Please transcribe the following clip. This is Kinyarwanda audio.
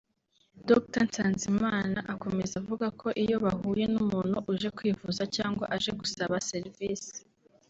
Dr Nsanzimana akomeza avuga ko iyo bahuye n’umuntu uje kwivuza cyangwa aje gusaba serivise